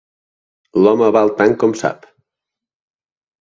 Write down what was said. L'home val tant com sap.